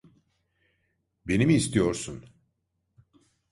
Beni mi istiyorsun?